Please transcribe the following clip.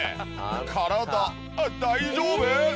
体大丈夫！？